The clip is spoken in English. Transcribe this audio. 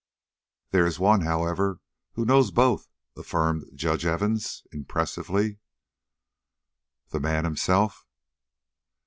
"There is one, however, who knows both," affirmed Judge Evans, impressively. "The man himself?"